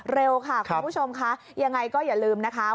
เร็วค่ะคุณผู้ชมค่ะยังไงก็อย่าลืมนะคะ